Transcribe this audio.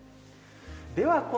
では